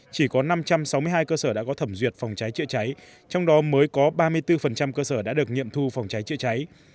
chỉ có năm trăm sáu mươi hai cơ sở đã có thẩm duyệt phòng cháy chữa cháy trong đó mới có ba mươi bốn cơ sở đã được nghiệm thu phòng cháy chữa cháy